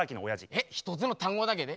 え一つの単語だけで？